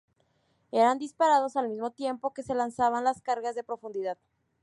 Eran disparados al mismo tiempo que se lanzaban las cargas de profundidad.